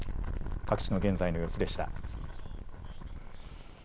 各地の現在の様子でした。